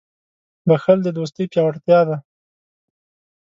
• بښل د دوستۍ پیاوړتیا ده.